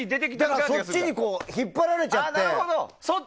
だからそっちに引っ張られちゃって。